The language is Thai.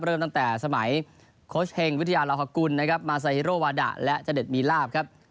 เริ่มตั้งแต่สมัยโคชเฮงวิทยาลาฮะกุลมาซาฮิโรวาดะและเจ้าเด็ดมีราบครับ